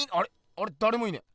あれだれもいねえ。